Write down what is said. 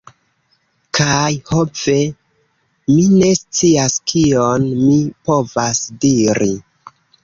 Kaj... ho ve, mi ne scias kion mi povas diri!